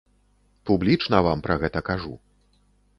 Публічна вам пра гэта кажу.